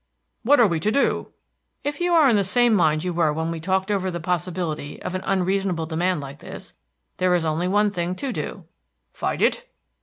"What are we to do?" "If you are in the same mind you were when we talked over the possibility of an unreasonable demand like this, there is only one thing to do." "Fight it?"